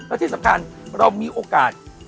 และที่สำคัญเรามีโอกาส